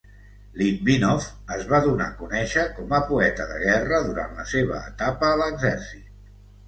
Litvinoff es va donar a conèixer com a poeta de guerra durant la seva etapa a l'exèrcit.